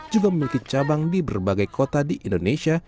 juga memiliki cabang di berbagai kota di indonesia